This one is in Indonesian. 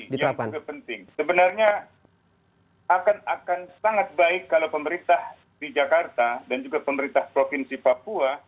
yang juga penting sebenarnya akan sangat baik kalau pemerintah di jakarta dan juga pemerintah provinsi papua